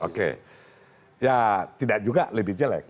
oke ya tidak juga lebih jelek